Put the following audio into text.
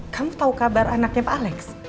kamu tahu kabar anaknya pak alex